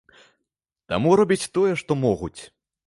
Таму робяць тое, што могуць.